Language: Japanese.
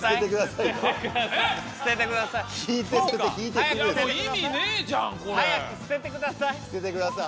早く捨ててください。